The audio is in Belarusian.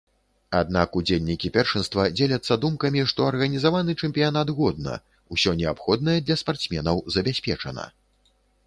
Аднак удзельнікі першынства дзеляцца думкамі, што арганізаваны чэмпіянат годна, усё неабходнае для спартсменаў забяспечана.